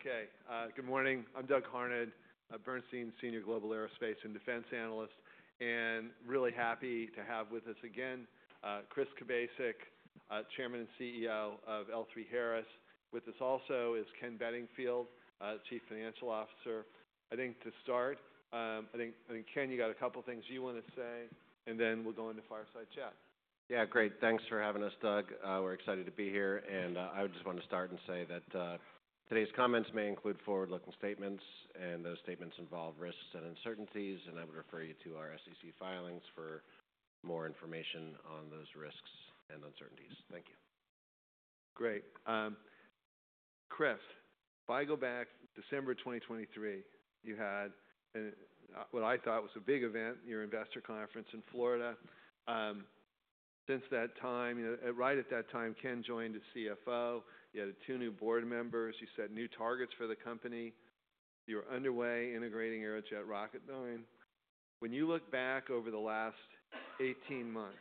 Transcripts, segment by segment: Okay. Good morning. I'm Doug Harned, Bernstein Senior Global Aerospace and Defense Analyst, and really happy to have with us again, Chris Kubasik, Chairman and CEO of L3Harris. With us also is Ken Bedingfield, Chief Financial Officer. I think to start, Ken, you got a couple things you want to say, and then we'll go into fireside chat. Yeah. Great. Thanks for having us, Doug. We're excited to be here, and I would just want to start and say that today's comments may include forward-looking statements, and those statements involve risks and uncertainties, and I would refer you to our SEC filings for more information on those risks and uncertainties. Thank you. Great. Chris, if I go back, December 2023, you had, what I thought was a big event, your investor conference in Florida. Since that time, you know, right at that time, Ken joined as CFO. You had two new board members. You set new targets for the company. You were underway integrating Aerojet Rocketdyne. When you look back over the last 18 months,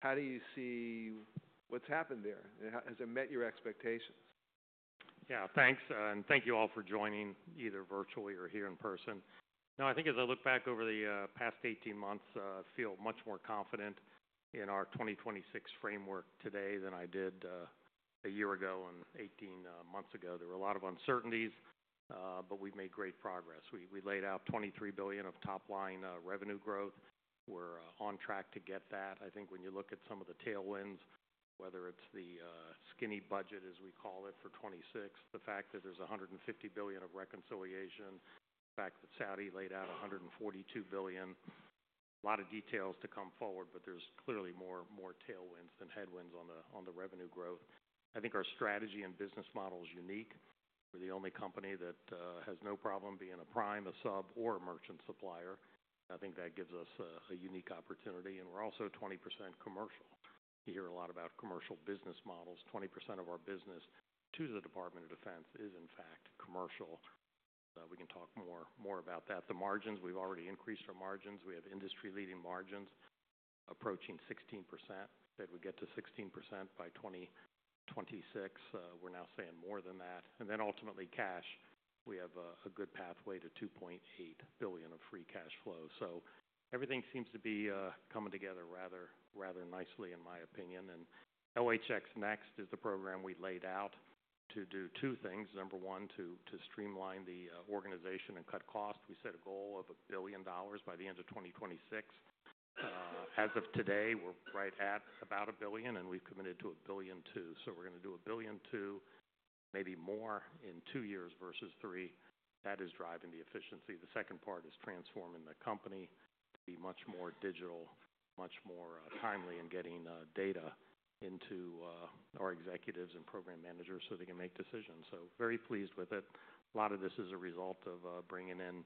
how do you see what's happened there? Has it met your expectations? Yeah. Thanks. And thank you all for joining, either virtually or here in-person. No, I think as I look back over the past 18 months, I feel much more confident in our 2026 framework today than I did a year ago and 18 months ago. There were a lot of uncertainties, but we've made great progress. We laid out $23 billion of top-line revenue growth. We're on track to get that. I think when you look at some of the tailwinds, whether it's the skinny budget, as we call it, for $26 billion. The fact that there's $150 billion of reconciliation, the fact that Saudi laid out $142 billion, a lot of details to come forward, but there's clearly more tailwinds than headwinds on the revenue growth. I think our strategy and business model is unique. We're the only company that has no problem being a prime, a sub, or a merchant supplier. I think that gives us a unique opportunity. We're also 20% commercial. You hear a lot about commercial business models. 20% of our business to the Department of Defense is in fact commercial. We can talk more about that. The margins, we've already increased our margins. We have industry leading margins approaching 16%. Said we'd get to 16% by 2026. We're now saying more than that. Ultimately, cash, we have a good pathway to $2.8 billion of free cash flow. So, everything seems to be coming together, rather nicely, in my opinion. LHX Next is the program we laid out to do two things. Number one, to streamline the organization and cut costs. We set a goal of $1 billion by the end of 2026. As of today, we're right at about $1 billion, and we've committed to $1.2 billion. We're going to do $1.2 billion, maybe more in two years versus three. That is driving the efficiency. The second part is transforming the company to be much more digital, much more timely in getting data into our executives and program managers so they can make decisions. So, very pleased with it. A lot of this is a result of bringing in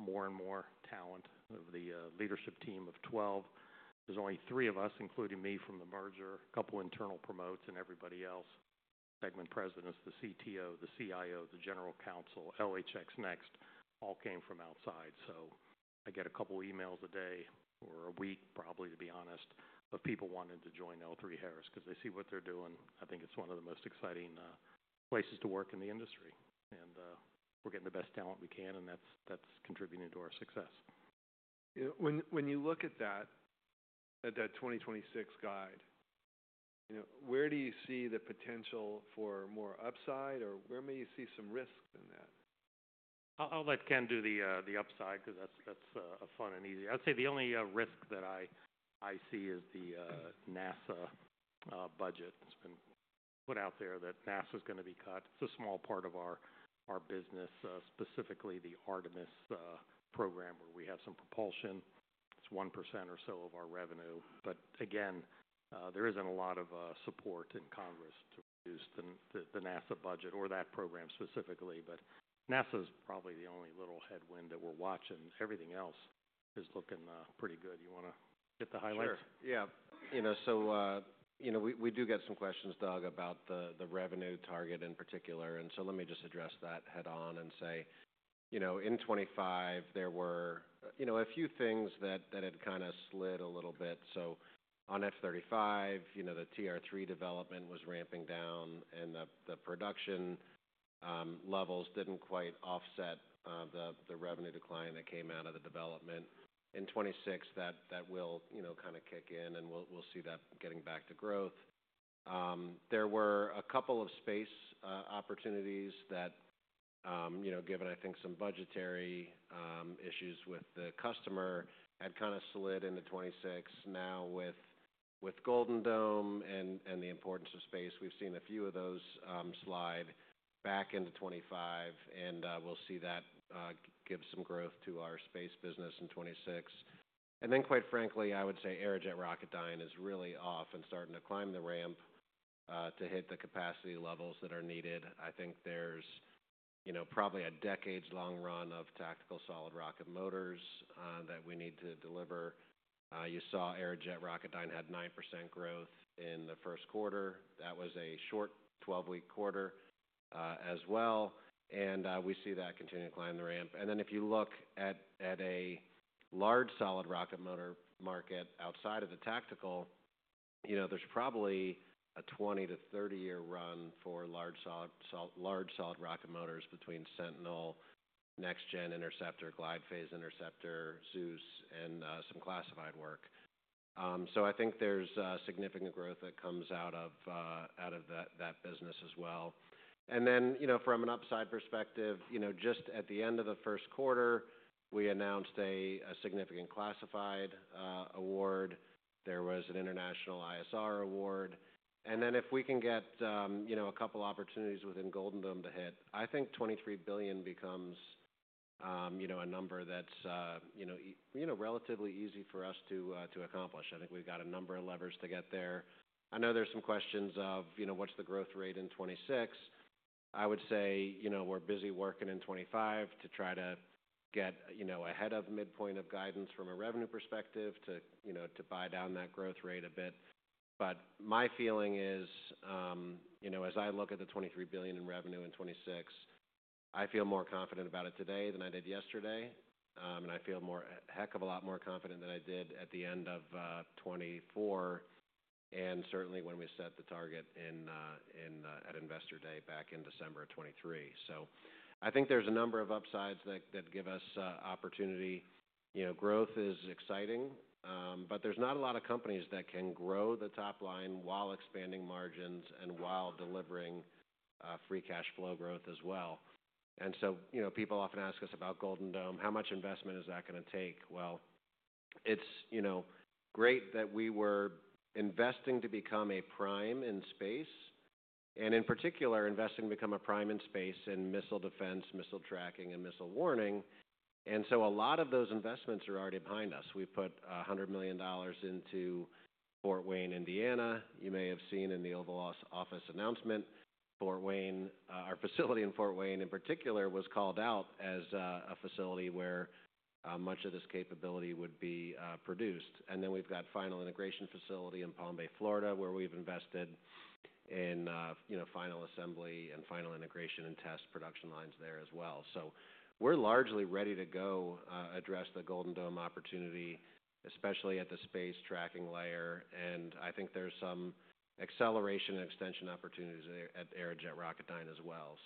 more and more talent. Of the leadership team of 12, there's only three of us, including me, from the merger, a couple internal promotes, and everybody else, segment presidents, the CTO, the CIO, the General Counsel, LHX NeXt, all came from outside. So, I get a couple emails a day or a week, probably, to be honest, of people wanting to join L3Harris because they see what they're doing. I think it's one of the most exciting places to work in the industry. And we're getting the best talent we can, and that's contributing to our success. When you look at that 2026 guide, you know, where do you see the potential for more upside, or where may you see some risk in that? I'll let Ken do the upside, because that's fun and easy. I'd say the only risk that I see is the NASA budget. It's been put out there that NASA is going to be cut. It's a small part of our business, specifically the Artemis program where we have some propulsion. It's 1% or so of our revenue. But again, there isn't a lot of support in Congress to produce the NASA budget or that program specifically, but NASA is probably the only little headwind that we're watching. Everything else is looking pretty good. You want to get the highlights? Sure. Yeah. You know, we do get some questions, Doug, about the revenue target in particular. Let me just address that head-on and say, you know, in 2025, there were a few things that had kinda slid a little bit. So, on F-35, the TR-3 development was ramping down, and the production levels did not quite offset the revenue decline that came out of the development. In 2026, that will kind of kick in, and we will see that getting back to growth. There were a couple of space opportunities that, given, I think, some budgetary issues with the customer, had kind of slid into 2026. Now, with Golden Dome and the importance of space, we've seen a few of those slide back into 2025, and we see that give some growth to our space business in 2026.And then, quite frankly, I would say, Aerojet Rocketdyne is really off and starting to climb the ramp to hit the capacity levels that are needed. I think there's, you know, probably a decades-long run of tactical solid rocket motors that we need to deliver. You saw Aerojet Rocketdyne had 9% growth in the first quarter. That was a short 12-week quarter, as well. We see that continue to climb the ramp. If you look at a large solid rocket motor market outside of the tactical, you know, there's probably a 20- to 30-year run for large solid rocket motors between Sentinel, Next Generation Interceptor, Glide Phase Interceptor, Nike-Zeus, and some classified work. I think there's significant growth that comes out of that business as well. You know, from an upside perspective, just at the end of the first quarter, we announced a significant classified award. There was an international ISR award. If we can get a couple opportunities within Golden Dome to hit, I think $23 billion becomes a number that's, you know, relatively easy for us to accomplish. I think we've got a number of levers to get there. I know there's some questions of, you know, what's the growth rate in 2026. I would say, you know, we're busy working in 2025 to try to get, you know, ahead of midpoint of guidance from a revenue perspective to, you know, to buy down that growth rate a bit. My feeling is, you know, as I look at the $23 billion in revenue in 2026, I feel more confident about it today than I did yesterday. And I feel a heck of a lot more confident than I did at the end of 2024, and certainly when we set the target at investor day back in December of 2023. I think there's a number of upsides that give us opportunity. You know, growth is exciting, but there's not a lot of companies that can grow the top line while expanding margins and while delivering free cash flow growth as well. You know, people often ask us about Golden Dome. How much investment is that gonna take? Well, It is, you know, great that we were investing to become a prime in space, and in particular, investing to become a prime in space in missile defense, missile tracking, and missile warning. A lot of those investments are already behind us. We've put $100 million into Fort Wayne, Indiana. You may have seen in the Oval Office announcement, Fort Wayne, our facility in Fort Wayne in particular was called out as a facility where much of this capability would be produced. We have a final integration facility in Palm Bay, Florida, where we've invested in, you know, final assembly and final integration and test production lines there as well. We are largely ready to go, address the Golden Dome opportunity, especially at the space tracking layer. I think there are some acceleration and extension opportunities there at Aerojet Rocketdyne as well.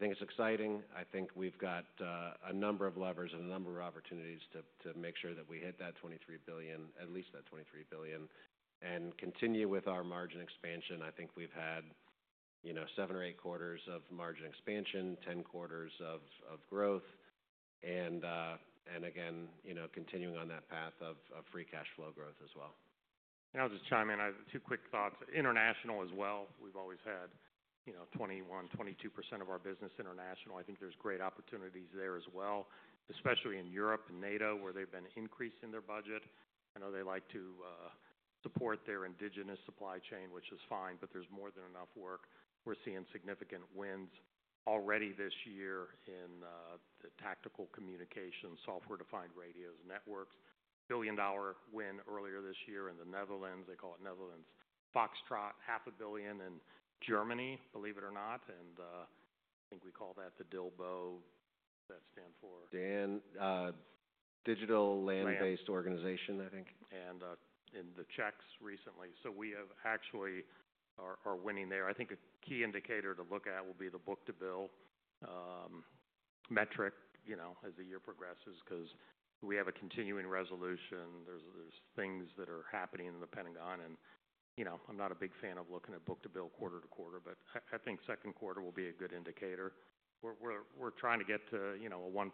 I think it's exciting. I think we've got a number of levers and a number of opportunities to make sure that we hit that $23 billion, at least that $23 billion, and continue with our margin expansion. I think we've had, you know, seven or eight quarters of margin expansion, 10 quarters of growth, and, again, you know, continuing on that path of free cash flow growth as well. I'll just chime in. I have two quick thoughts. International as well. We've always had, you know, 21%-22% of our business international. I think there's great opportunities there as well, especially in Europe and NATO, where they've been increasing their budget. I know they like to support their indigenous supply chain, which is fine, but there's more than enough work. We're seeing significant wins already this year in the tactical communications, software-defined radios networks. Billion-dollar win earlier this year in the Netherlands. They call it Netherlands Foxtrot $0.5 in Germany, believe it or not. I think we call that the DILBO. Does that stand for? Dan, Digital Land Based Organization, I think. In the checks recently, we have actually are winning there. I think a key indicator to look at will be the book-to-bill metric, you know, as the year progresses, because we have a continuing resolution. There are things that are happening in the Pentagon and you know, I'm not a big fan of looking at book-to-bill quarter to quarter, but I think second quarter will be a good indicator. We're trying to get to, you know, a 1.5,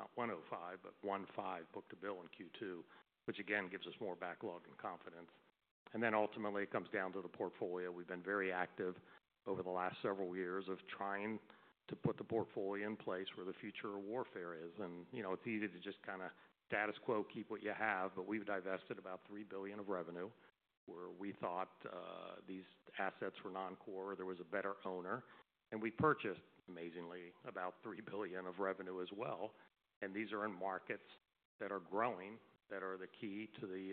not 105, but 1.5 book-to-bill in Q2, which again gives us more backlog and confidence. Ultimately, it comes down to the portfolio. We've been very active over the last several years of trying to put the portfolio in place where the future of warfare is. You know, it's easy to just kinda status quo, keep what you have, but we've divested about $3 billion of revenue where we thought these assets were non-core, there was a better owner. We purchased, amazingly, about $3 billion of revenue as well. These are in markets that are growing, that are the key to the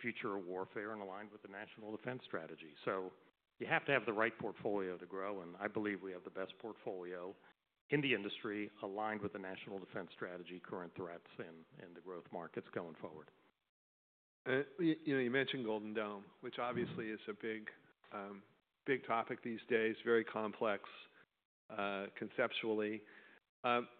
future of warfare and aligned with the National Defense Strategy. You have to have the right portfolio to grow, and I believe we have the best portfolio in the industry aligned with the National Defense Strategy, current threats and the growth markets going forward. You know, you mentioned Golden Dome, which obviously is a big, big topic these days, very complex, conceptually.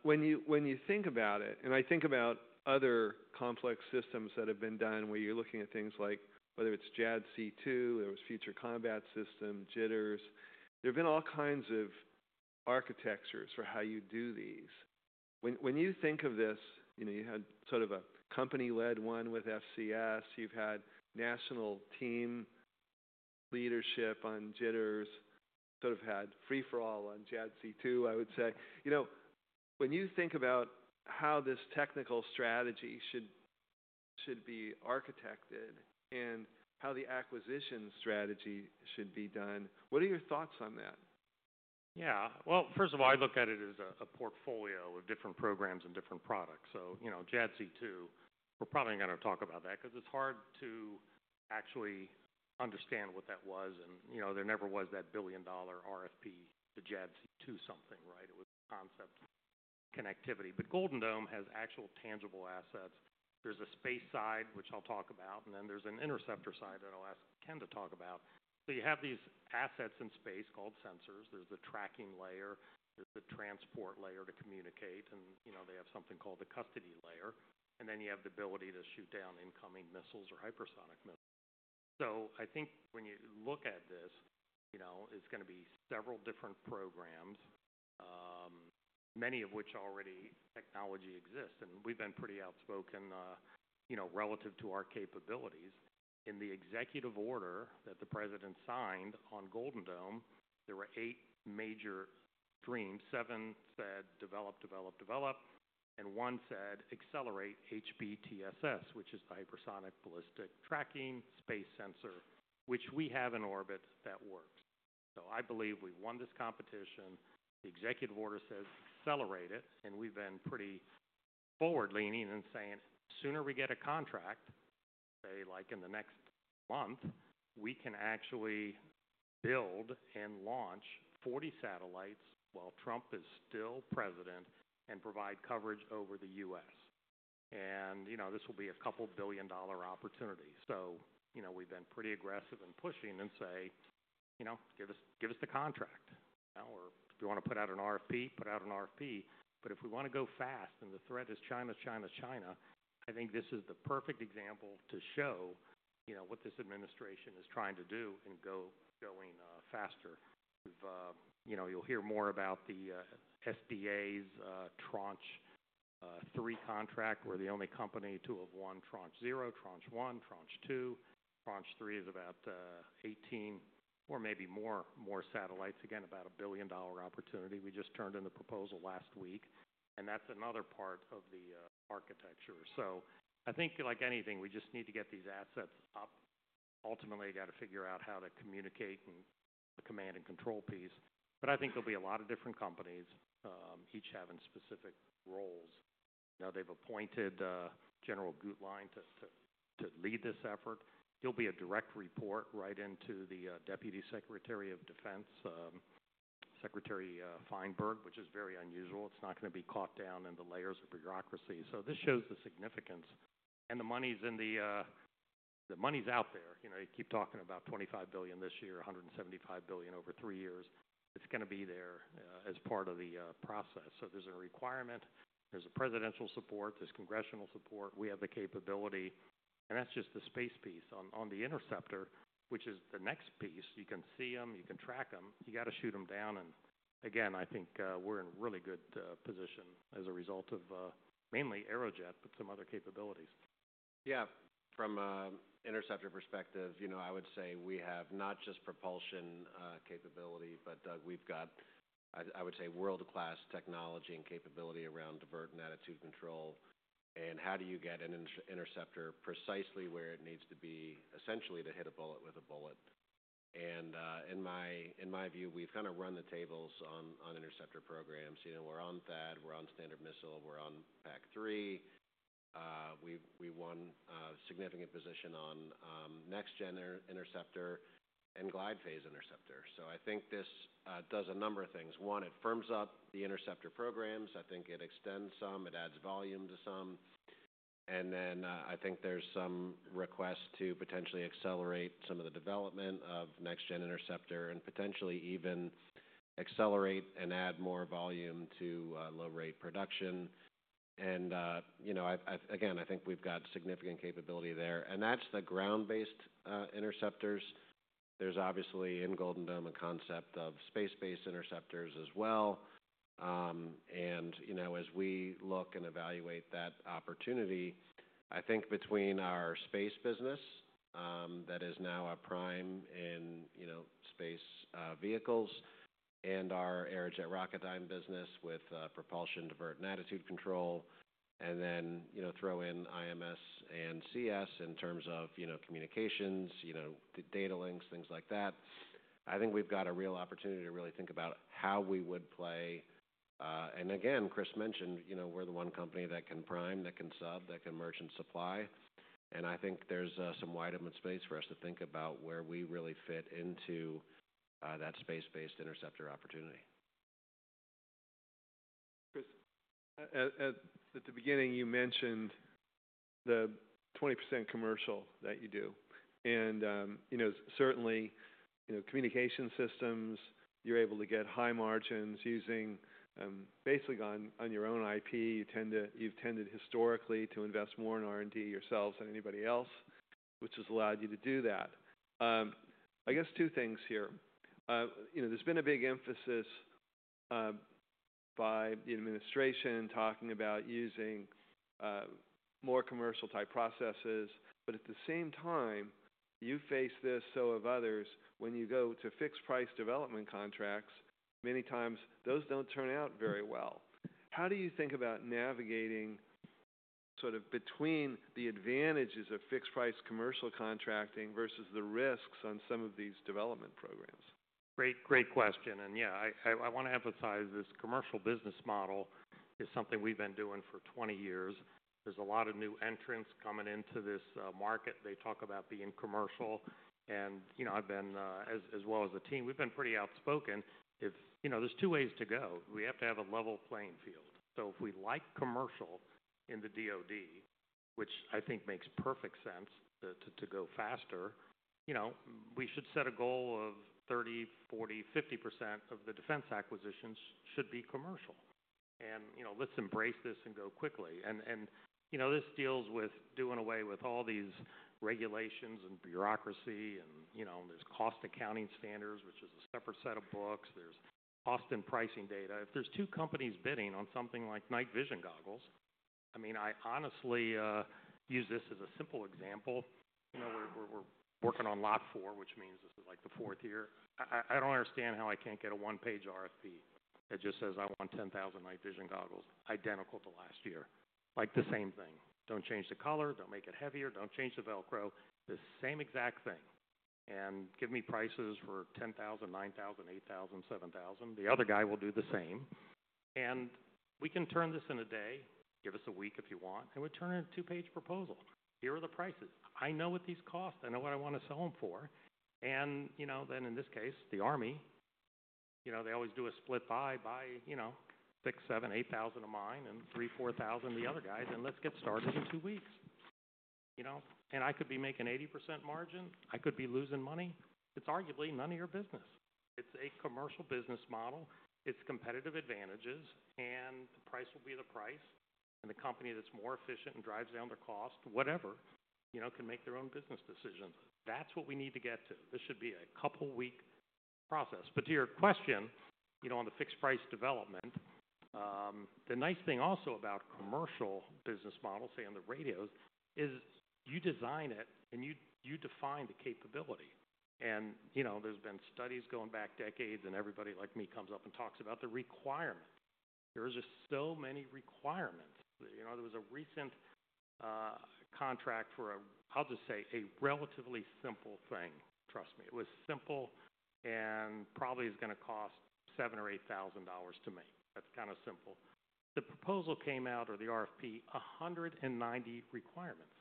When you think about it, and I think about other complex systems that have been done where you're looking at things like whether it's JADC2, there was Future Combat System, JITRs. There have been all kinds of architectures for how you do these. When you think of this, you know, you had sort of a company-led one with FCS. You've had national team leadership on JITRs, sort of had free-for-all on JADC2, I would say. You know, when you think about how this technical strategy should be architected and how the acquisition strategy should be done, what are your thoughts on that? Yeah. First of all, I look at it as a portfolio of different programs and different products. So, you know, JADC2, we're probably gonna talk about that 'cause it's hard to actually understand what that was. You know, there never was that $1 billion RFP to JADC2 something, right? It was a concept connectivity. Golden Dome has actual tangible assets. There's a space side, which I'll talk about, and then there's an interceptor side that I'll ask Ken to talk about. You have these assets in space called sensors. There's the tracking layer. There's the transport layer to communicate. You know, they have something called the custody layer. Then you have the ability to shoot down incoming missiles or hypersonic missiles. So, I think when you look at this, you know, it's gonna be several different programs, many of which already technology exists. We've been pretty outspoken, you know, relative to our capabilities. In the executive order that the President signed on Golden Dome, there were eight major streams. Seven said, "Develop, develop, develop," and one said, "Accelerate HBTSS," which is the Hypersonic Ballistic Tracking Space Sensor, which we have in orbit that works. I believe we've won this competition. The executive order says, "Accelerate it." We've been pretty forward-leaning in saying sooner we get a contract, say, like in the next month, we can actually build and launch 40 satellites while Trump is still President and provide coverage over the U.S. You know, this will be a couple billion-dollar opportunity. You know, we've been pretty aggressive in pushing and saying, you know, "Give us, give us the contract," you know, or, "If you wanna put out an RFP, put out an RFP." If we wanna go fast and the threat is China, China, China, I think this is the perfect example to show, you know, what this administration is trying to do and going faster. You know, you'll hear more about the SDA's Tranche 3 contract where we're the only company to have won Tranche 0, Tranche 1, Tranche 2. Tranche 3 is about 18 or maybe more satellites. Again, about a $1 billion opportunity. We just turned in the proposal last week. That's another part of the architecture. I think, like anything, we just need to get these assets up. Ultimately, you gotta figure out how to communicate and the command and control piece. I think there'll be a lot of different companies, each having specific roles. You know, they've appointed General Gutlein to lead this effort. He'll be a direct report right into the Deputy Secretary of Defense, Secretary Feinberg, which is very unusual. It's not gonna be caught down in the layers of bureaucracy. This shows the significance. The money's out there. You know, you keep talking about $25 billion this year, $175 billion over three years. It's gonna be there as part of the process. There's a requirement. There's presidential support. There's congressional support. We have the capability. That's just the space piece. On the interceptor, which is the next piece, you can see 'em. You can track 'em. You gotta shoot 'em down. I think we're in really good position as a result of mainly Aerojet, but some other capabilities. Yeah. From an interceptor perspective, you know, I would say we have not just propulsion capability, but, we've got, I would say, world-class technology and capability around divert and attitude control and how do you get an interceptor precisely where it needs to be essentially to hit a bullet with a bullet. In my view, we've kind run the tables on interceptor programs. You know, we're on THAAD. We're on Standard Missile. We're on PAC-3. We won significant position on Next Generation Interceptor and Glide Phase Interceptor. I think this does a number of things. One, it firms up the interceptor programs. I think it extends some. It adds volume to some. I think there's some request to potentially accelerate some of the development of Next Generation Interceptor and potentially even accelerate and add more volume to low-rate production. You know, I again, I think we've got significant capability there. That's the ground-based interceptors. There's obviously in Golden Dome a concept of space-based interceptors as well. You know, as we look and evaluate that opportunity, I think between our space business, that is now a prime in, you know, space vehicles, and our Aerojet Rocketdyne business with Propulsion Divert and Attitude Control, and then, you know, throw in IMS and CS in terms of, you know, communications, the data links, things like that, I think we've got a real opportunity to really think about how we would play. Again, Chris mentioned, you know, we're the one company that can prime, that can sub, that can merge and supply. I think there's some wide open space for us to think about where we really fit into that space-based interceptor opportunity. Chris, at the beginning, you mentioned the 20% commercial that you do. You know, certainly, you know, communication systems, you're able to get high margins using, basically on, on your own IP. You tend to, you've tended historically to invest more in R&D yourselves than anybody else, which has allowed you to do that. I guess two things here. You know, there's been a big emphasis, by the administration talking about using, more commercial-type processes. At the same time, you face this, so have others, when you go to fixed-price development contracts, many times those do not turn out very well. How do you think about navigating sort of between the advantages of fixed-price commercial contracting versus the risks on some of these development programs? Great, great question. Yeah, I wanna emphasize this commercial business model is something we've been doing for 20 years. There's a lot of new entrants coming into this market. They talk about being commercial. You know, I've been, as well as the team, we've been pretty outspoken. If, you know, there's two ways to go. We have to have a level playing field. If we like commercial in the DoD, which I think makes perfect sense to go faster, you know, we should set a goal of 30%, 40%, 50% of the defense acquisitions should be commercial. You know, let's embrace this and go quickly. This deals with doing away with all these regulations and bureaucracy and, you know, there's cost accounting standards, which is a separate set of books. There's cost and pricing data. If there are two companies bidding on something like night vision goggles, I mean, I honestly use this as a simple example. You know, we're working on lot four, which means this is like the fourth year. I don't understand how I can't get a one-page RFP that just says, "I want 10,000 night vision goggles," identical to last year, like the same thing. Don't change the color. Don't make it heavier. Don't change the Velcro. The same exact thing. Give me prices for $10,000, $9,000, $8,000, $7,000. The other guy will do the same. We can turn this in a day. Give us a week if you want. We turn in a two-page proposal. Here are the prices. I know what these cost. I know what I wanna sell them for. You know, then in this case, the Army, you know, they always do a split buy, buy $6,000, $7,000, $8,000 of mine and $3,000, $4,000 of the other guys, and let's get started in two weeks. You know? I could be making 80% margin. I could be losing money. It's arguably none of your business. It's a commercial business model. It's competitive advantages. The price will be the price. The company that's more efficient and drives down their cost, whatever, you know, can make their own business decisions. That's what we need to get to. This should be a couple-week process. To your question, you know, on the fixed-price development, the nice thing also about commercial business models, say on the radios, is you design it and you define the capability. You know, there's been studies going back decades and everybody like me comes up and talks about the requirement. There's just so many requirements. You know, there was a recent contract for a, I'll just say, a relatively simple thing. Trust me. It was simple and probably is gonna cost $7,000 or $8,000 to make. That's kinda simple. The proposal came out or the RFP 190 requirements.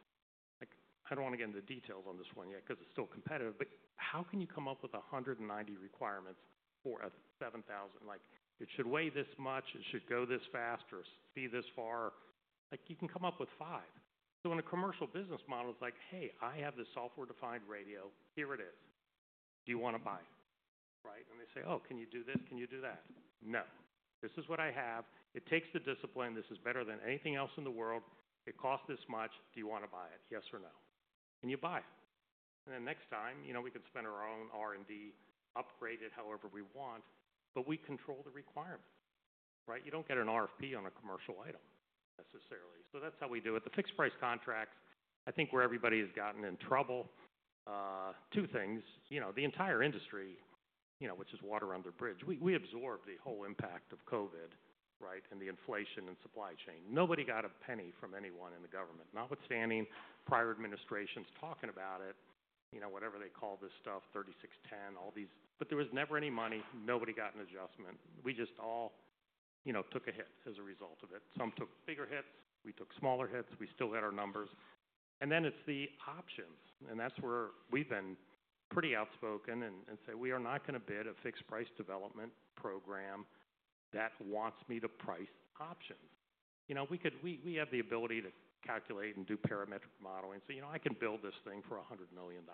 Like, I don't wanna get into details on this one yet 'cause it's still competitive. But how can you come up with 190 requirements for a $7,000? Like, it should weigh this much. It should go this fast or be this far. Like, you can come up with five. In a commercial business model, it's like, "Hey, I have this software-defined radio. Here it is. Do you wanna buy it?" Right? And they say, "Oh, can you do this? Can you do that?" No. This is what I have. It takes the discipline. This is better than anything else in the world. It costs this much. Do you wanna buy it? Yes or no? You buy it. Next time, you know, we can spend our own R&D, upgrade it however we want, but we control the requirements. Right? You do not get an RFP on a commercial item necessarily. That is how we do it. The fixed-price contracts, I think where everybody has gotten in trouble, two things. You know, the entire industry, which is water under the bridge. We absorbed the whole impact of COVID, right, and the inflation and supply chain. Nobody got a penny from anyone in the government, notwithstanding prior administrations talking about it, you know, whatever they call this stuff, 36,10, all these. There was never any money. Nobody got an adjustment. We just all, you know, took a hit as a result of it. Some took bigger hits. We took smaller hits. We still had our numbers. And then it's the options. That's where we've been pretty outspoken and say, "We are not gonna bid a fixed-price development program that wants me to price options." You know, we have the ability to calculate and do parametric modeling. You know, I can build this thing for $100 million.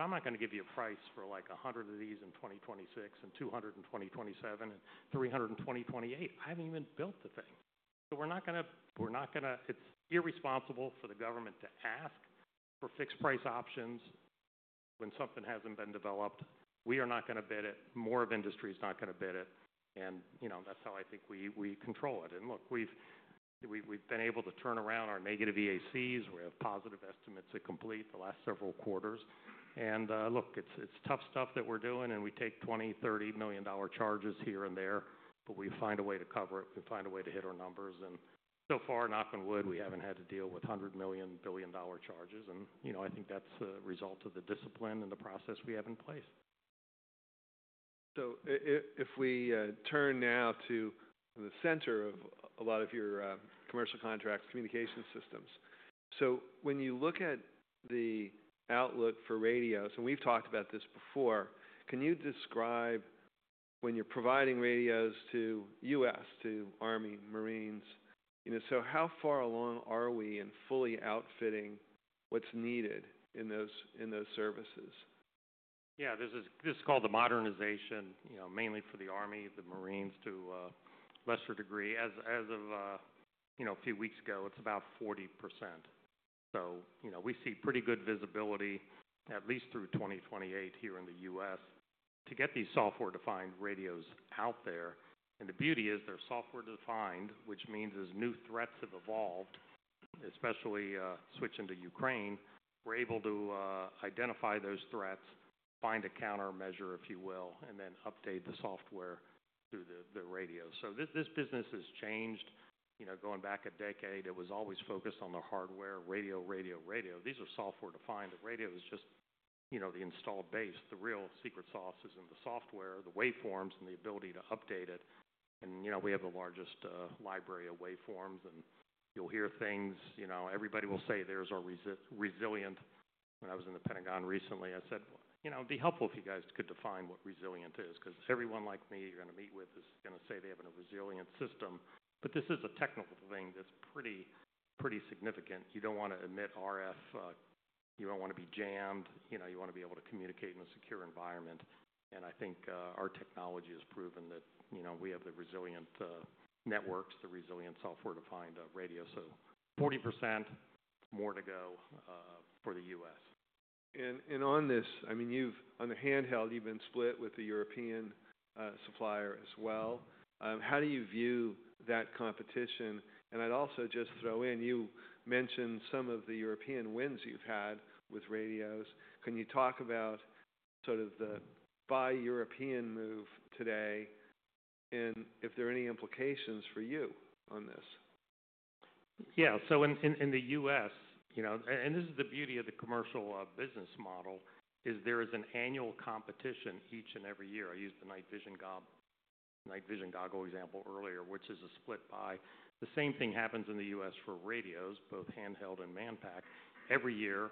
I'm not gonna give you a price for 100 of these in 2026 and 200 in 2027 and 300 in 2028. I haven't even built the thing. We're not gonna, we're not gonna, it's irresponsible for the government to ask for fixed-price options when something hasn't been developed. We are not gonna bid it. More of industry is not gonna bid it. You know, that's how I think we control it. Look, we've been able to turn around our negative EACs. We have positive estimates to complete the last several quarters. Look, it's tough stuff that we're doing. We take $20 million-$30 million charges here and there, but we find a way to cover it. We find a way to hit our numbers. So far, knock on wood, we haven't had to deal with $100 million, $1 billion charges. You know, I think that's a result of the discipline and the process we have in place. If we turn now to the center of a lot of your commercial contracts, communication systems. When you look at the outlook for radios, and we've talked about this before, can you describe when you're providing radios to U.S., to Army, Marines, you know, how far along are we in fully outfitting what's needed in those services? Yeah. This is called the modernization, you know, mainly for the Army, the Marines to a lesser degree. As of, you know, a few weeks ago, it's about 40%. You know, we see pretty good visibility, at least through 2028 here in the U.S., to get these software-defined radios out there. The beauty is they're software-defined, which means as new threats have evolved, especially switching to Ukraine, we're able to identify those threats, find a countermeasure, if you will, and then update the software through the radio. This business has changed. You know, going back a decade, it was always focused on the hardware, radio, radio, radio. These are software-defined. The radio is just, you know, the installed base. The real secret sauce is in the software, the waveforms, and the ability to update it. You know, we have the largest library of waveforms. You'll hear things, you know, everybody will say, "There's our resilient." When I was in the Pentagon recently, I said, you know, it'd be helpful if you guys could define what resilient is because everyone like me you're gonna meet with is gonna say they have a resilient system. This is a technical thing that's pretty significant. You do not want to emit RF, you do not want to be jammed. You want to be able to communicate in a secure environment. I think our technology has proven that we have the resilient networks, the resilient software-defined radio. So, 40% more to go for the U.S. I mean, you've, on the handheld, you've been split with the European supplier as well. How do you view that competition? I'd also just throw in, you mentioned some of the European wins you've had with radios. Can you talk about sort of the buy European move today and if there are any implications for you on this? Yeah. In the U.S., you know, and this is the beauty of the commercial business model, is there is an annual competition each and every year. I used the night vision goggle example earlier, which is a split buy. The same thing happens in the U.S. for radios, both handheld and manpack. Every year,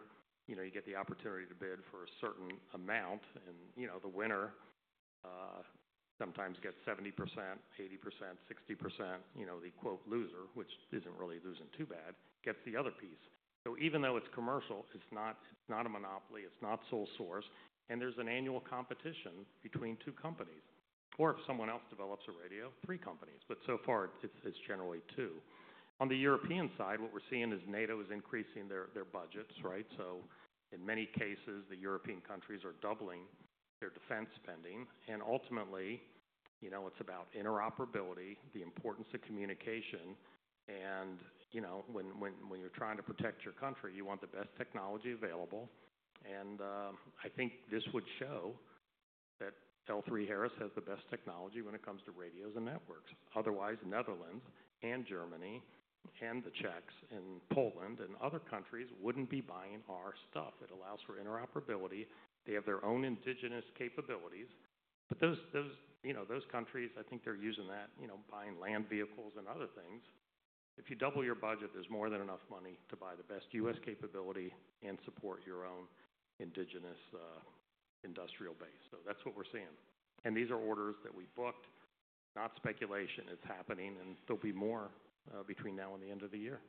you know, you get the opportunity to bid for a certain amount. You know, the winner sometimes gets 70%, 80%, 60%, you know, the quote loser, which is not really losing too bad, gets the other piece. Even though it is commercial, it is not a monopoly. It is not sole source. There is an annual competition between two companies. Or if someone else develops a radio, three companies. So far, it is generally two. On the European side, what we're seeing is NATO is increasing their budgets, right? In many cases, the European countries are doubling their defense spending. Ultimately, you know, it's about interoperability, the importance of communication. You know, when you're trying to protect your country, you want the best technology available. I think this would show that L3Harris has the best technology when it comes to radios and networks. Otherwise, Netherlands and Germany and the Czechs and Poland and other countries would not be buying our stuff. It allows for interoperability. They have their own indigenous capabilities. Those countries, I think they're using that, you know, buying land vehicles and other things. If you double your budget, there's more than enough money to buy the best U.S. capability and support your own indigenous industrial base. That's what we're seeing. These are orders that we booked. Not speculation. It's happening. There'll be more, between now and the end of the year.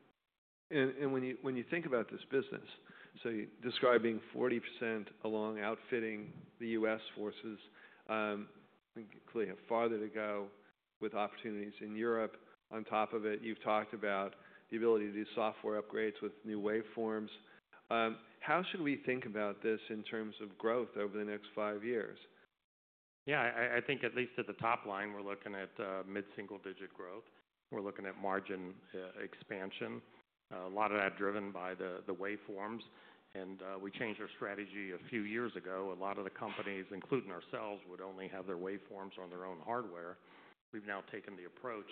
When you think about this business, so you're describing 40% along outfitting the U.S. forces, and clearly have farther to go with opportunities in Europe. On top of it, you've talked about the ability to do software upgrades with new waveforms. How should we think about this in terms of growth over the next five years? Yeah. I think at least at the top line, we're looking at mid-single-digit growth. We're looking at margin expansion, a lot of that driven by the waveforms. We changed our strategy a few years ago. A lot of the companies, including ourselves, would only have their waveforms on their own hardware. We've now taken the approach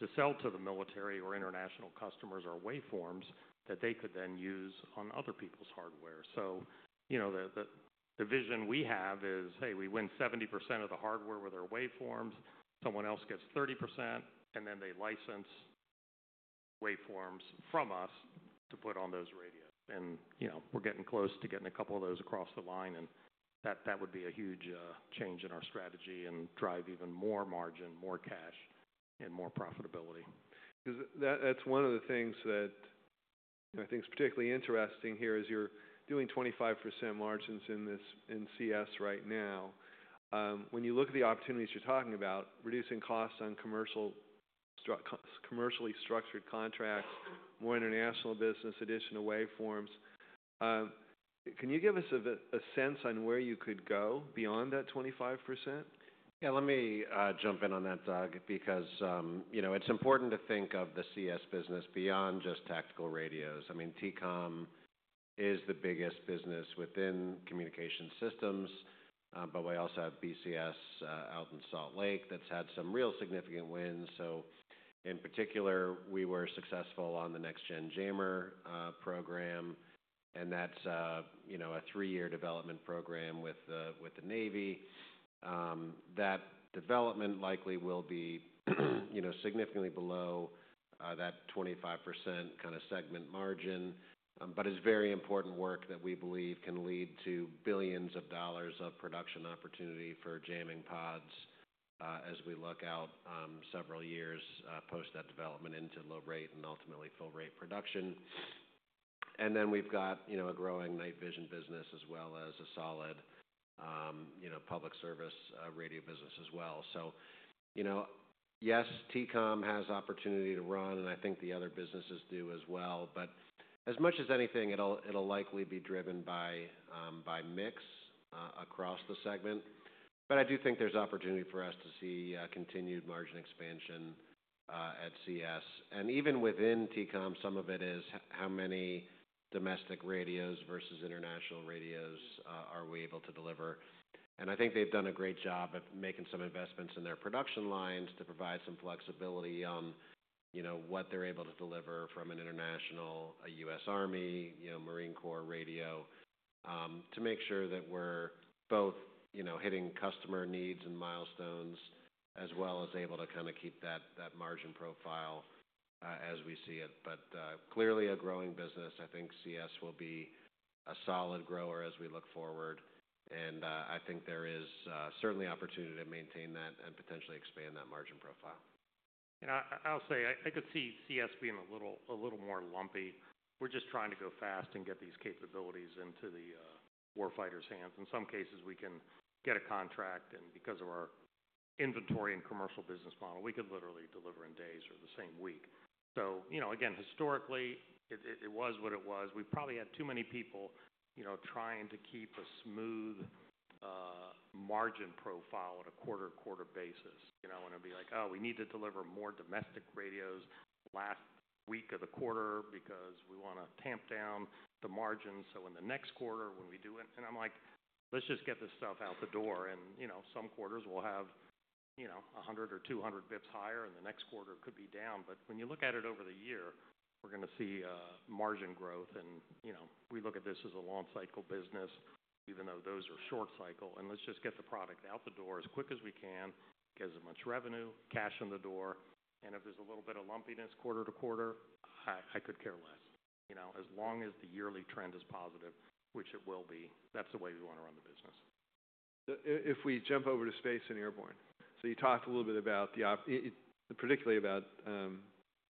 to sell to the military or international customers our waveforms that they could then use on other people's hardware. You know, the vision we have is, hey, we win 70% of the hardware with our waveforms. Someone else gets 30%, and then they license waveforms from us to put on those radios. You know, we're getting close to getting a couple of those across the line. That would be a huge change in our strategy and drive even more margin, more cash, and more profitability. Because that's one of the things that, you know, I think's particularly interesting here is you're doing 25% margins in this in CS right now. When you look at the opportunities you're talking about, reducing costs on commercially structured contracts, more international business, additional waveforms, can you give us a sense on where you could go beyond that 25%? Yeah. Let me jump in on that, Doug, because, you know, it's important to think of the CS business beyond just tactical radios. I mean, TCOM is the biggest business within communication systems, but we also have BCS out in Salt Lake that's had some real significant wins. In particular, we were successful on the Next Gen Jammer program. And that's, you know, a three-year development program with the Navy. That development likely will be, you know, significantly below that 25% kind of segment margin, but it's very important work that we believe can lead to billions of dollars of production opportunity for jamming pods as we look out several years post that development into low rate and ultimately full rate production. We have, you know, a growing night vision business as well as a solid, you know, public safety radio business as well. Yes, TCOM has opportunity to run, and I think the other businesses do as well. As much as anything, it'll likely be driven by mix across the segment. I do think there's opportunity for us to see continued margin expansion at CS. Even within TCOM, some of it is how many domestic radios versus international radios are we able to deliver. I think they've done a great job of making some investments in their production lines to provide some flexibility on what they're able to deliver from an international, a U.S. Army, Marine Corps, radio, to make sure that we're both hitting customer needs and milestones as well as able to kind of keep that margin profile as we see it. Clearly a growing business. I think CS will be a solid grower as we look forward. I think there is certainly opportunity to maintain that and potentially expand that margin profile. I'll say, I could see CS being a little, a little more lumpy. We're just trying to go fast and get these capabilities into the war fighter's hands. In some cases, we can get a contract, and because of our inventory and commercial business model, we could literally deliver in days or the same week. You know, again, historically, it was what it was. We probably had too many people, you know, trying to keep a smooth margin profile at a quarter-to-quarter basis, you know, and it'd be like, "Oh, we need to deliver more domestic radios last week of the quarter because we wanna tamp down the margin. In the next quarter, when we do it, and I'm like, "Let's just get this stuff out the door." You know, some quarters we'll have, you know, 100 or 200 basis points higher, and the next quarter could be down. When you look at it over the year, we're gonna see margin growth. You know, we look at this as a long-cycle business, even though those are short-cycle. Let's just get the product out the door as quick as we can, get as much revenue, cash in the door. If there's a little bit of lumpiness quarter to quarter, I could care less, you know, as long as the yearly trend is positive, which it will be. That's the way we wanna run the business. If we jump over to space and airborne. You talked a little bit about the op, particularly about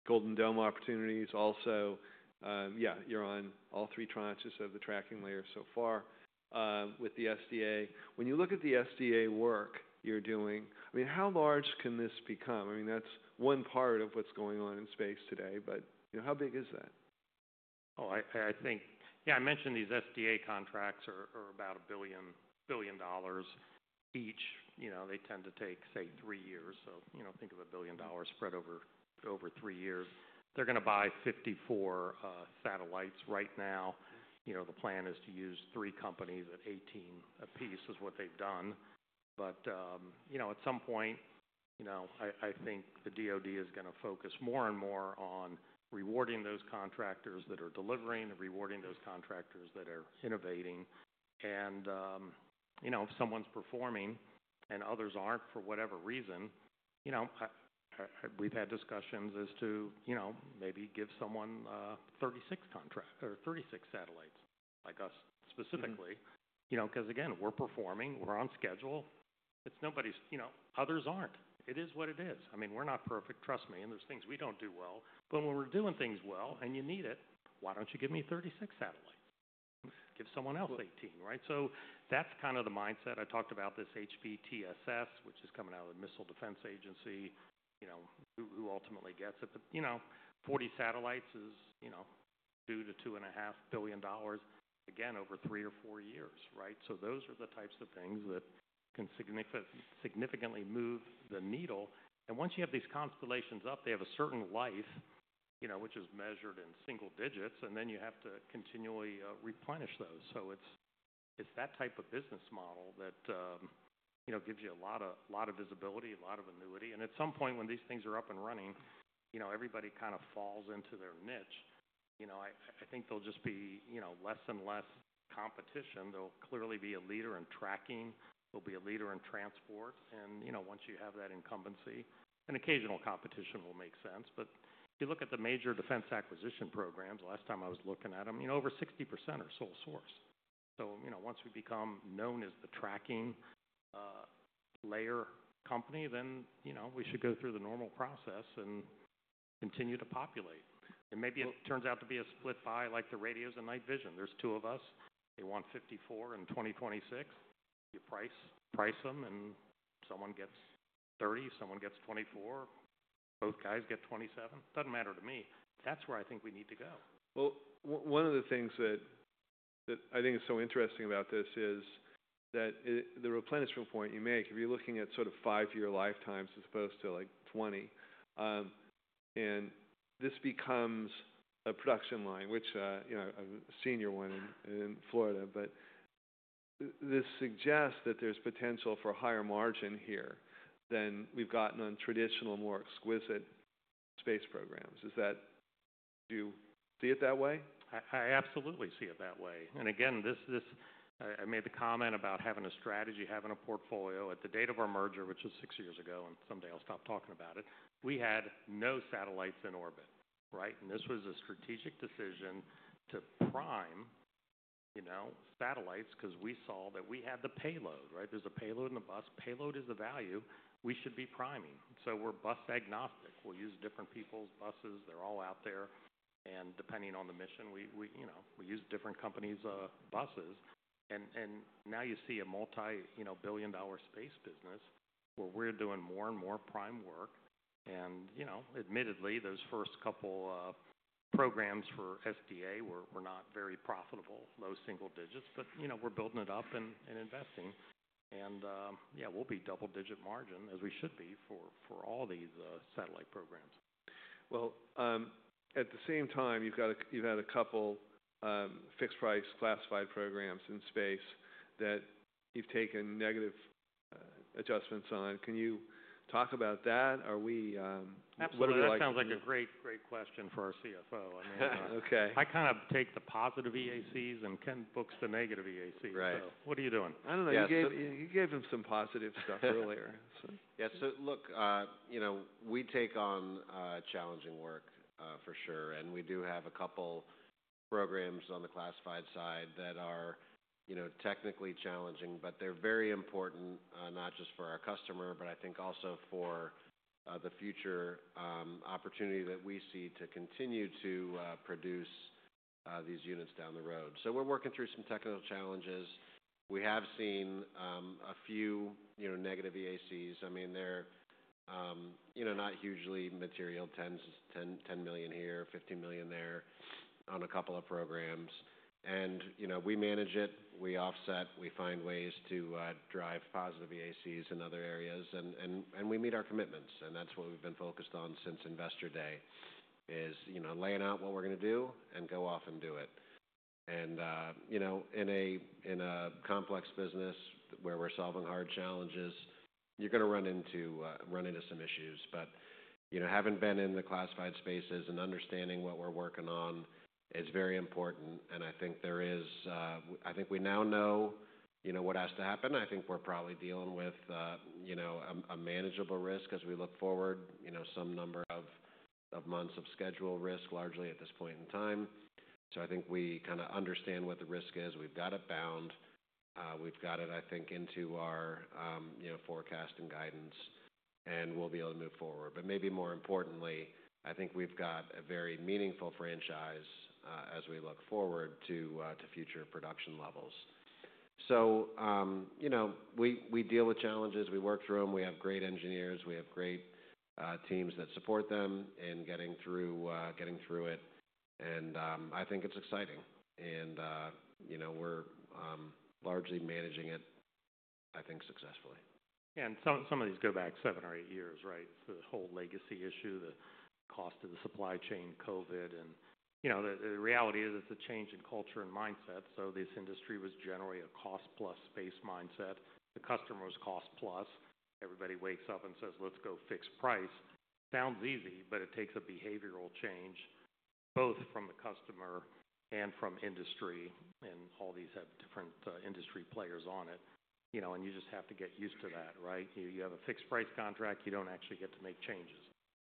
Golden Dome opportunities. Also, yeah, you're on all three tranches of the tracking layer so far, with the SDA. When you look at the SDA work you're doing, I mean, how large can this become? I mean, that's one part of what's going on in space today. You know, how big is that? Oh, I think, yeah, I mentioned these SDA contracts are about $1 billion each. You know, they tend to take, say, three years. So, you know, think of a $1 billion spread over three years. They're gonna buy 54 satellites right now. You know, the plan is to use three companies at 18 a piece is what they've done. You know, at some point, I think the DoD is gonna focus more and more on rewarding those contractors that are delivering, rewarding those contractors that are innovating. You know, if someone's performing and others aren't for whatever reason, we've had discussions as to, you know, maybe give someone 36 contracts or 36 satellites like us specifically. You know, 'cause again, we're performing. We're on schedule. It's nobody's, you know, others aren't. It is what it is. I mean, we're not perfect, trust me. And there's things we don't do well. But when we're doing things well and you need it, why don't you give me 36 satellites? Give someone else 18, right? So that's kinda the mindset. I talked about this HBTSS, which is coming out of the Missile Defense Agency, you know, who ultimately gets it. But, you know, 40 satellites is, you know, $2 billion-$2.5 billion again over three or four years, right? Those are the types of things that can significantly, significantly move the needle. Once you have these constellations up, they have a certain life, you know, which is measured in single digits. Then you have to continually replenish those. It's that type of business model that, you know, gives you a lot of visibility, a lot of annuity. At some point, when these things are up and running, you know, everybody kinda falls into their niche. You know, I think there'll just be less and less competition. There'll clearly be a leader in tracking. There'll be a leader in transport. You know, once you have that incumbency, an occasional competition will make sense. If you look at the major defense acquisition programs, last time I was looking at them, over 60% are sole source. You know, once we become known as the tracking layer company, then, you know, we should go through the normal process and continue to populate. Maybe it turns out to be a split buy like the radios and night vision. There are two of us. They want 54 in 2026. You price them, and someone gets 30, someone gets 24, both guys get 27. It does not matter to me. That is where I think we need to go. One of the things that I think is so interesting about this is that the replenishment point you make, if you're looking at sort of five-year lifetimes as opposed to, like, 20, and this becomes a production line, which, you know, I'm a senior one in Florida. This suggests that there's potential for higher margin here than we've gotten on traditional, more exquisite space programs. Is that, do you see it that way? I absolutely see it that way. Again, I made the comment about having a strategy, having a portfolio. At the date of our merger, which was six years ago, and someday I'll stop talking about it, we had no satellites in orbit, right? This was a strategic decision to prime, you know, satellites because we saw that we had the payload, right? There is a payload in the bus. Payload is the value. We should be priming. We are bus-agnostic. We will use different people's buses. They are all out there. Depending on the mission, we, you know, we use different companies' buses. Now you see a multi-billion-dollar space business where we are doing more and more prime work. Admittedly, those first couple programs for SDA were not very profitable, low single digits. You know, we're building it up and investing. Yeah, we'll be double-digit margin as we should be for all these satellite programs. At the same time, you've got a, you've had a couple fixed-price classified programs in space that you've taken negative adjustments on. Can you talk about that? Are we, literally like? Absolutely. That sounds like a great, great question for our CFO. I mean, Okay. I kinda take the positive EACs and Ken books the negative EACs. Right. What are you doing? I don't know. You gave him some positive stuff earlier, so. Yeah. So look, you know, we take on challenging work, for sure. And we do have a couple programs on the classified side that are, you know, technically challenging, but they're very important, not just for our customer, but I think also for the future opportunity that we see to continue to produce these units down the road. We're working through some technical challenges. We have seen a few, you know, negative EACs. I mean, they're, you know, not hugely material, $10 million here, $50 million there on a couple of programs. You know, we manage it. We offset. We find ways to drive positive EACs in other areas. We meet our commitments. That's what we've been focused on since investor day is, you know, laying out what we're gonna do and go off and do it. You know, in a complex business where we're solving hard challenges, you're gonna run into some issues. You know, having been in the classified spaces and understanding what we're working on is very important. I think we now know, you know, what has to happen. I think we're probably dealing with a manageable risk as we look forward, some number of months of schedule risk largely at this point in time. I think we kinda understand what the risk is. We've got it bound. We've got it, I think, into our forecast and guidance, and we'll be able to move forward. Maybe more importantly, I think we've got a very meaningful franchise as we look forward to future production levels. You know, we deal with challenges. We work through them. We have great engineers. We have great teams that support them in getting through, getting through it. I think it's exciting. You know, we're largely managing it, I think, successfully. Yeah. Some of these go back seven or eight years, right? It's the whole legacy issue, the cost of the supply chain, COVID. The reality is it's a change in culture and mindset. This industry was generally a cost-plus space mindset. The customer was cost-plus. Everybody wakes up and says, "Let's go fixed price." Sounds easy, but it takes a behavioral change both from the customer and from industry. All these have different industry players on it, you know, and you just have to get used to that, right? You have a fixed-price contract. You don't actually get to make changes.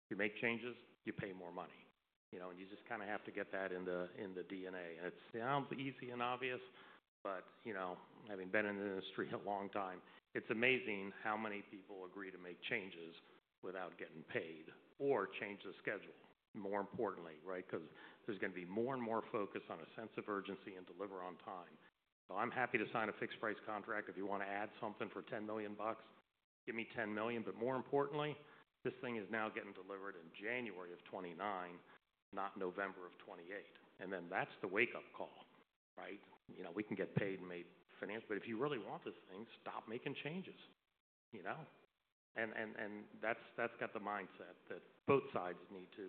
You make changes, you pay more money, you know, and you just kind have to get that in the, in the DNA. It sounds easy and obvious, but, you know, having been in the industry a long time, it's amazing how many people agree to make changes without getting paid or change the schedule, more importantly, right? There's gonna be more and more focus on a sense of urgency and deliver on time. I'm happy to sign a fixed-price contract. If you wanna add something for $10 million, give me $10 million. More importantly, this thing is now getting delivered in January of 2029, not November of 2028. That's the wake-up call, right? You know, we can get paid and made financial. If you really want this thing, stop making changes, you know? That's got the mindset that both sides need to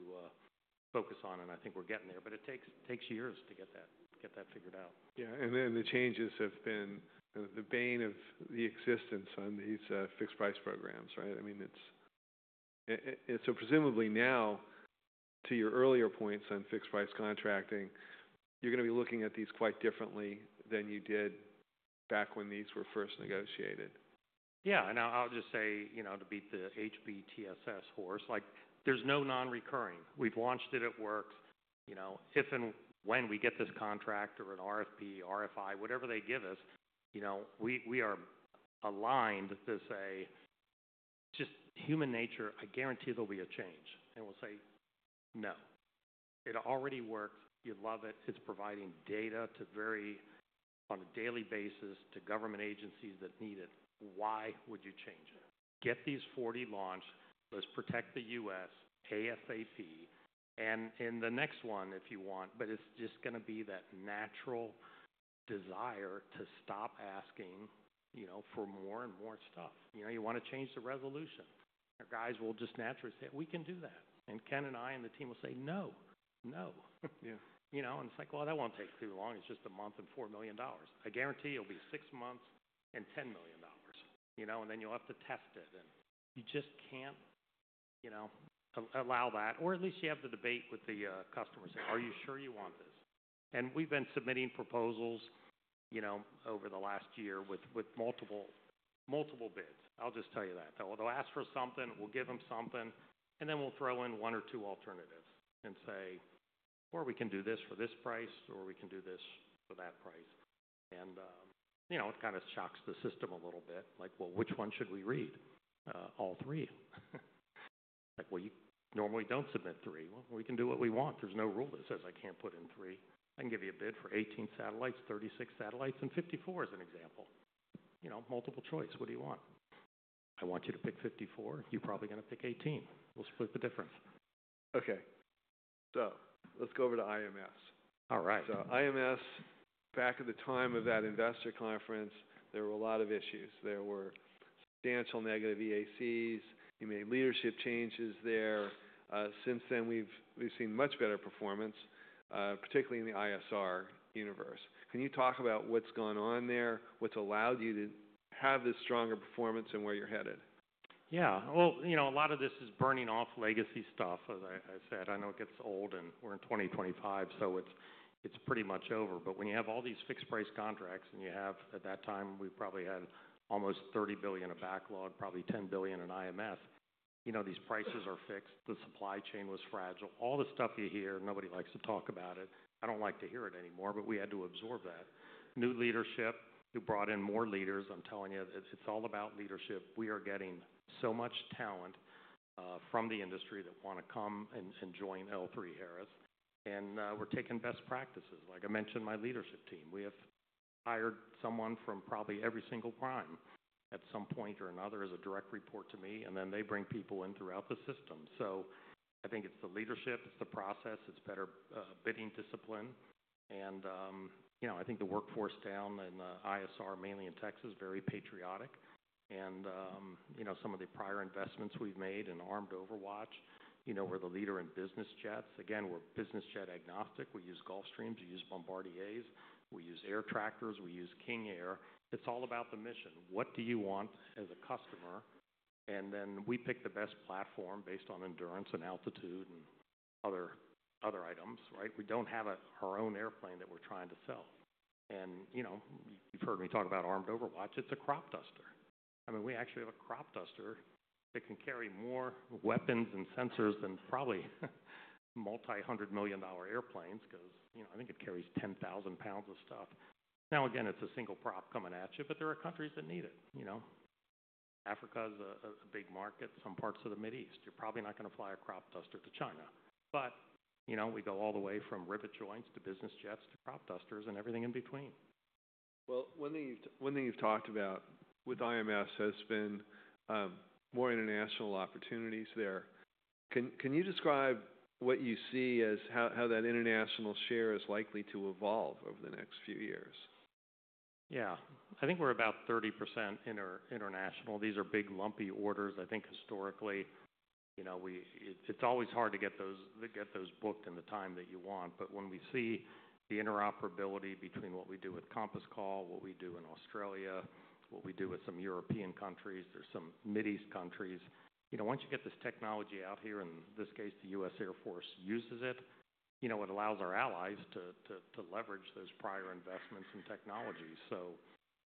focus on. I think we're getting there. It takes years to get that figured out. Yeah. And the changes have been the bane of the existence on these fixed-price programs, right? I mean, it's, so presumably now, to your earlier points on fixed-price contracting, you're gonna be looking at these quite differently than you did back when these were first negotiated. Yeah. I'll just say, you know, to beat the HBTSS horse, like, there's no non-recurring. We've launched it. It works. You know, if and when we get this contract or an RFP, RFI, whatever they give us, you know, we are aligned to say, "Just human nature, I guarantee there'll be a change." We'll say, "No. It already works. You love it. It's providing data to, very, on a daily basis, to government agencies that need it. Why would you change it?" Get these 40 launched. Let's protect the U.S. ASAP. In the next one, if you want, but it's just gonna be that natural desire to stop asking, you know, for more and more stuff. You know, you want to change the resolution. Our guys will just naturally say, "We can do that." Ken and I and the team will say, "No. No. Yeah. You know? It is like, "Well, that will not take too long. It is just a month and $4 million." I guarantee it will be 6 months and $10 million, you know, and then you will have to test it. You just cannot, you know, allow that. At least you have the debate with the customer saying, "Are you sure you want this?" We have been submitting proposals, you know, over the last year with multiple, multiple bids. I will just tell you that. They will ask for something. We will give them something. Then we will throw in one or two alternatives and say, "Or we can do this for this price, or we can do this for that price." You know, it kind of shocks the system a little bit. Like, well, which one should we read? All three? Like, well, you normally do not submit three. We can do what we want. There is no rule that says I cannot put in three. I can give you a bid for 18 satellites, 36 satellites, and 54 as an example. You know, multiple choice. What do you want? I want you to pick 54. You are probably gonna pick 18. We will split the difference. Okay. So let's go over to IMS. All right. IMS, back at the time of that investor conference, there were a lot of issues. There were substantial negative EACs. You made leadership changes there. Since then, we've seen much better performance, particularly in the ISR universe. Can you talk about what's gone on there, what's allowed you to have this stronger performance and where you're headed? Yeah. You know, a lot of this is burning off legacy stuff, as I said. I know it gets old, and we're in 2025, so it's pretty much over. When you have all these fixed-price contracts and you have, at that time, we probably had almost $30 billion of backlog, probably $10 billion in IMS, you know, these prices are fixed. The supply chain was fragile. All the stuff you hear, nobody likes to talk about it. I don't like to hear it anymore, but we had to absorb that. New leadership. We brought in more leaders. I'm telling you, it's all about leadership. We are getting so much talent from the industry that wanna come and join L3Harris. We're taking best practices. Like I mentioned, my leadership team, we have hired someone from probably every single prime at some point or another as a direct report to me. They bring people in throughout the system. I think it is the leadership. It is the process. It is better bidding discipline. You know, I think the workforce down in the ISR, mainly in Texas, is very patriotic. You know, some of the prior investments we have made in Armed Overwatch, you know, we are the leader in business jets. Again, we are business jet-agnostic. We use Gulfstream. We use Bombardier. We use Air Tractor. We use King Air. It is all about the mission. What do you want as a customer? We pick the best platform based on endurance and altitude and other items, right? We do not have our own airplane that we are trying to sell. You know, you've heard me talk about Armed Overwatch. It's a crop duster. I mean, we actually have a crop duster that can carry more weapons and sensors than probably multi-hundred million dollar airplanes because, you know, I think it carries 10,000 lbs of stuff. Now, again, it's a single prop coming at you, but there are countries that need it. You know, Africa is a big market, some parts of the Mid East. You're probably not gonna fly a crop duster to China. You know, we go all the way from Rivet joints to business jets to crop dusters and everything in between. One thing you've talked about with IMS has been more international opportunities there. Can you describe what you see as how that international share is likely to evolve over the next few years? Yeah. I think we're about 30% international. These are big lumpy orders. I think historically, you know, it's always hard to get those booked in the time that you want. When we see the interoperability between what we do with Compass Call, what we do in Australia, what we do with some European countries, there's some Mideast countries, you know, once you get this technology out here, in this case, the U.S. Air Force uses it, you know, it allows our allies to leverage those prior investments and technologies.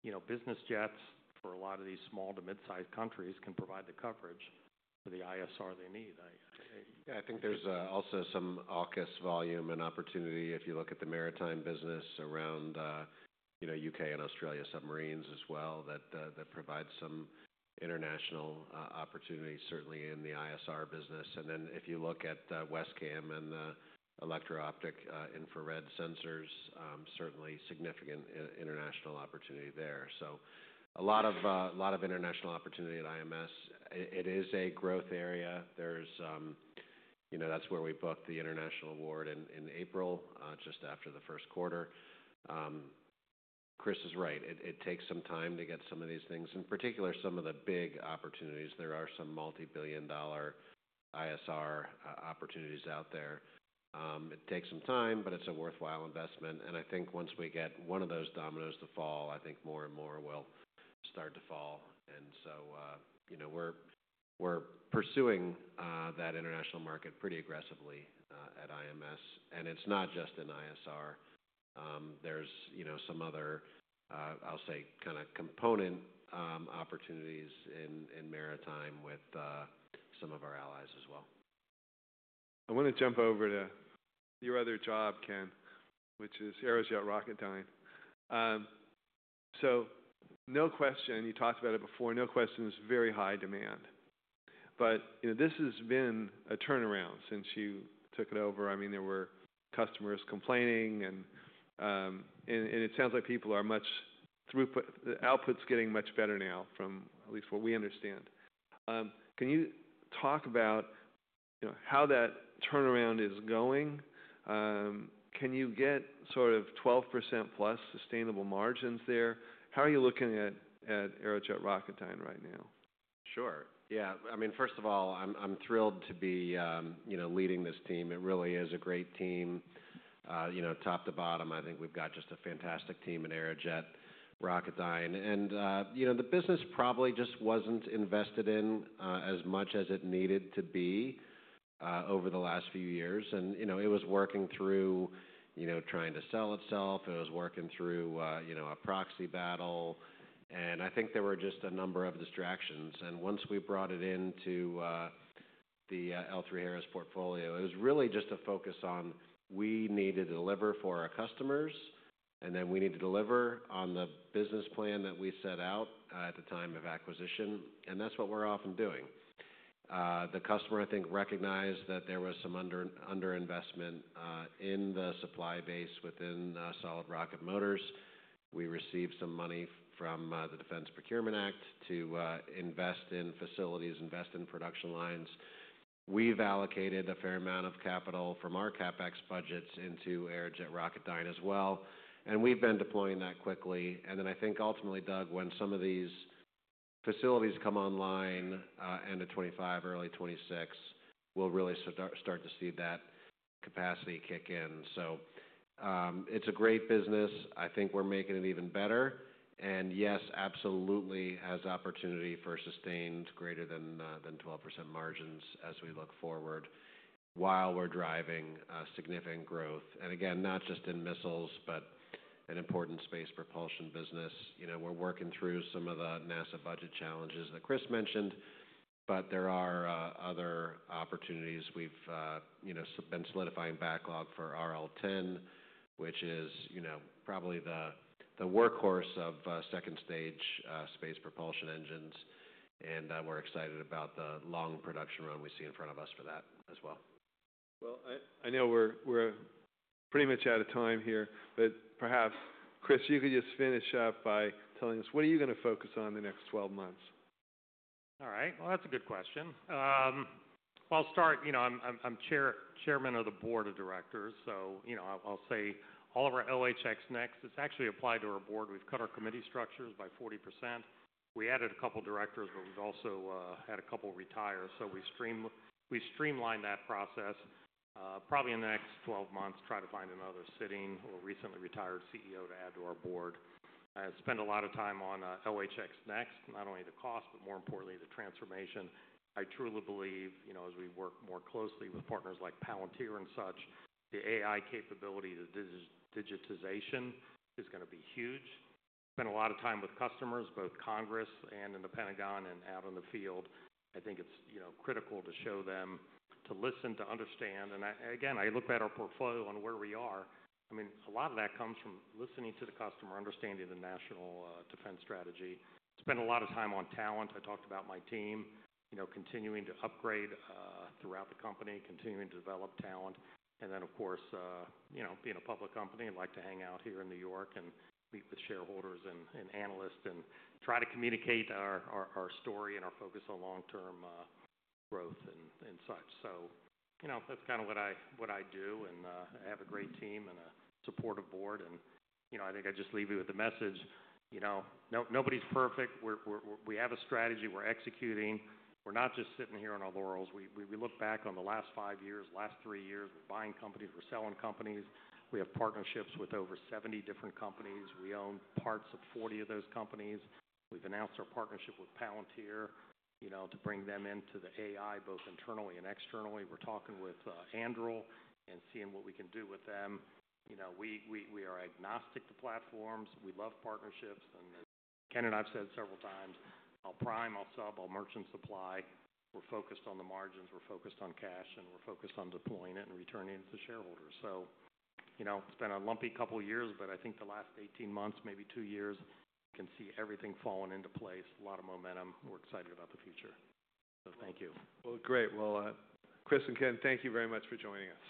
You know, business jets for a lot of these small to mid-sized countries can provide the coverage for the ISR they need. Yeah. I think there's also some AUKUS volume and opportunity if you look at the maritime business around, you know, U.K. and Australia submarines as well that provide some international opportunity certainly in the ISR business. If you look at WESCAM and the electro-optic infrared sensors, certainly significant international opportunity there. A lot of international opportunity at IMS. It is a growth area. There's, you know, that's where we booked the international award in April, just after the first quarter. Chris is right. It takes some time to get some of these things, in particular some of the big opportunities. There are some multi-billion dollar ISR opportunities out there. It takes some time, but it's a worthwhile investment. I think once we get one of those dominoes to fall, more and more will start to fall. You know, we're pursuing that international market pretty aggressively at IMS. It's not just in ISR. There's some other, I'll say kind component opportunities in maritime with some of our allies as well. I want to jump over to your other job, Ken, which is Aerojet Rocketdyne. No question, you talked about it before, no question, it's very high demand. But, you know, this has been a turnaround since you took it over. I mean, there were customers complaining. It sounds like people are much throughput, the output's getting much better now from at least what we understand. Can you talk about how that turnaround is going? Can you get sort of 12%-plus sustainable margins there? How are you looking at Aerojet Rocketdyne right now? Sure. Yeah. I mean, first of all, I'm thrilled to be, you know, leading this team. It really is a great team, you know, top to bottom. I think we've got just a fantastic team at Aerojet Rocketdyne. And, you know, the business probably just wasn't invested in as much as it needed to be over the last few years. And, you know, it was working through, you know, trying to sell itself. It was working through, you know, a proxy battle. I think there were just a number of distractions. Once we brought it into the L3Harris portfolio, it was really just a focus on we needed to deliver for our customers, and then we need to deliver on the business plan that we set out at the time of acquisition. That's what we're often doing. The customer, I think, recognized that there was some under-investment in the supply base within Solid Rocket Motors. We received some money from the Defense Procurement Act to invest in facilities, invest in production lines. We've allocated a fair amount of capital from our CapEx budgets into Aerojet Rocketdyne as well. We've been deploying that quickly. I think ultimately, Doug, when some of these facilities come online, end of 2025, early 2026, we'll really start to see that capacity kick in. It's a great business. I think we're making it even better. Yes, absolutely has opportunity for sustained greater than 12% margins as we look forward while we're driving significant growth. Again, not just in missiles, but an important space propulsion business. You know, we're working through some of the NASA budget challenges that Chris mentioned, but there are other opportunities. We've, you know, been solidifying backlog for RL10, which is, you know, probably the workhorse of second stage space propulsion engines. And we're excited about the long production run we see in front of us for that as well. I know we're pretty much out of time here, but perhaps, Chris, you could just finish up by telling us what are you gonna focus on the next 12 months? All right. That's a good question. I'll start, you know, I'm chairman of the board of directors. So, you know, I'll say all of our LHX NeXt, it's actually applied to our board. We've cut our committee structures by 40%. We added a couple directors, but we've also had a couple retire. So we streamlined that process. Probably in the next 12 months, try to find another sitting or recently retired CEO to add to our board. I spent a lot of time on LHX NeXt, not only the cost, but more importantly, the transformation. I truly believe, you know, as we work more closely with partners like Palantir and such, the AI capability, the digitization is gonna be huge. Spent a lot of time with customers, both Congress and in the Pentagon and out in the field. I think it's, you know, critical to show them, to listen, to understand. And I, again, I looked at our portfolio on where we are. I mean, a lot of that comes from listening to the customer, understanding the National Defense Strategy. Spent a lot of time on talent. I talked about my team, you know, continuing to upgrade throughout the company, continuing to develop talent. And then, of course, you know, being a public company, I'd like to hang out here in New York and meet with shareholders and analysts and try to communicate our story and our focus on long-term growth and such. You know, that's kinda what I do. I have a great team and a supportive board. You know, I think I just leave you with the message, you know, nobody's perfect. We have a strategy. We're executing. We're not just sitting here on our laurels. We look back on the last five years, last three years. We're buying companies. We're selling companies. We have partnerships with over 70 different companies. We own parts of 40 of those companies. We've announced our partnership with Palantir, you know, to bring them into the AI, both internally and externally. We're talking with Anduril and seeing what we can do with them. You know, we are agnostic to platforms. We love partnerships. Ken and I've said several times, I'll prime, I'll sub, I'll merchant supply. We're focused on the margins. We're focused on cash, and we're focused on deploying it and returning it to shareholders. You know, it's been a lumpy couple of years, but I think the last 18 months, maybe two years, you can see everything falling into place, a lot of momentum. We're excited about the future. Thank you. Great. Chris and Ken, thank you very much for joining us.